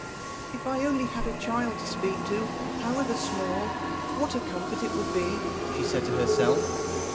'If I only had a child to speak to, however small, what a comfort it would be!' she said to herself.